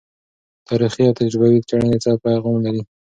تاریخي او تجربوي څیړنې څه پیغام لري؟